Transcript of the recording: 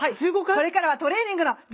これからはトレーニングの時間。